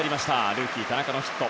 ルーキー田中のヒット。